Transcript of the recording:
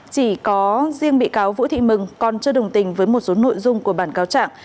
chỉ có riêng bị cáo vũ thị mừng còn chưa đồng tình với một số nội dung của bản cáo trạng